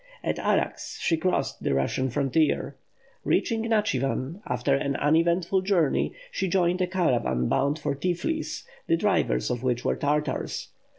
At Arax she crossed the Russian frontier. Reaching Natchivan after an uneventful journey, she joined a caravan bound for Tiflis, the drivers of which were Tartars.